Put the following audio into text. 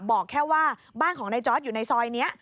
บอกแค่ว่าบ้านของนายจอร์ดอยู่ในซอยนี้